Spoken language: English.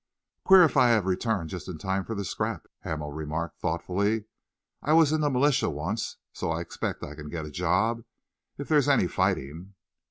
"Queer if I have returned just in time for the scrap," Hamel remarked thoughtfully. "I was in the Militia once, so I expect I can get a job, if there's any fighting."